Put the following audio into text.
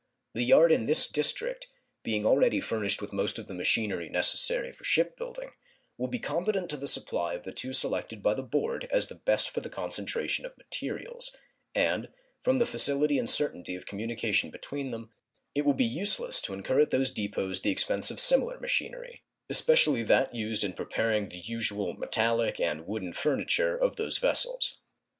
The yard in this District, being already furnished with most of the machinery necessary for ship building, will be competent to the supply of the two selected by the Board as the best for the concentration of materials, and, from the facility and certainty of communication between them, it will be useless to incur at those depots the expense of similar machinery, especially that used in preparing the usual metallic and wooden furniture of vessels.